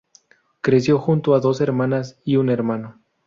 Creció junto a dos hermanas y un hermano.